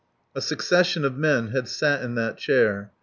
A succession of men had sat in that chair.